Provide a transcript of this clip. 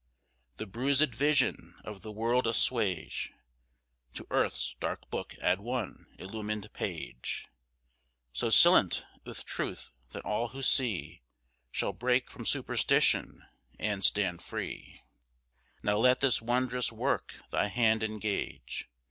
The bruiséd vision of the world assuage; To earth's dark book add one illumined page, So scintillant with truth, that all who see Shall break from superstition and stand free. Now let this wondrous work thy hand engage.